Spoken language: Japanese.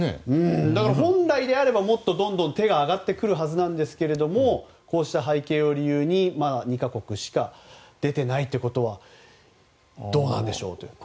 本来であればもっと手が挙がってくるはずなんですがこうした背景を理由に２か国しか出ていないということはどうなんでしょうという。